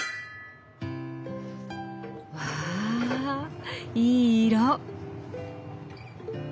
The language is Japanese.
わいい色！